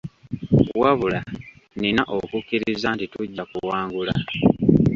Wabula, nnina okukkiriza nti tujja kuwangula.